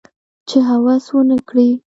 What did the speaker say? چې هوس ونه کړي